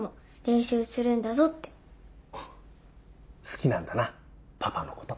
好きなんだなパパのこと。